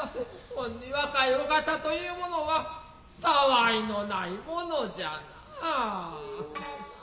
ほんに若いお方と云うものは他愛のないものじゃなァ。